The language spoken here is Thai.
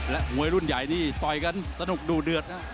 มวยรุ่นใหญ่นี่ต่อยกันสนุกดูเดือดนะ